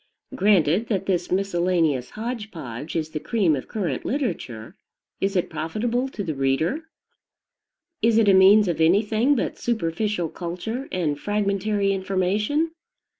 Granted that this miscellaneous hodge podge is the cream of current literature, is it profitable to the reader? Is it a means of anything but superficial culture and fragmentary information?